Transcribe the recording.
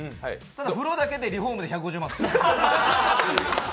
ただ、風呂だけでリフォームで１５０万です。